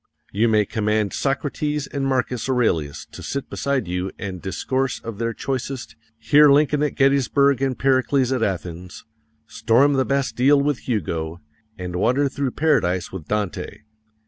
You may command Socrates and Marcus Aurelius to sit beside you and discourse of their choicest, hear Lincoln at Gettysburg and Pericles at Athens, storm the Bastile with Hugo, and wander through Paradise with Dante.